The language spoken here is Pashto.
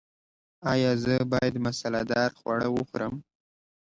ایا زه باید مساله دار خواړه وخورم؟